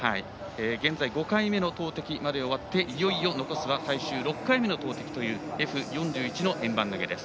現在５回目の投てきまで終わっていよいよ残すは最終６回目の投てきというＦ４１の円盤投げです。